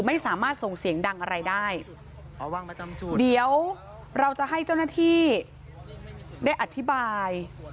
ไม่สามารถส่งเสียงดังอะไรได้เดี๋ยวเราจะให้เจ้าหน้าที่ได้อธิบาย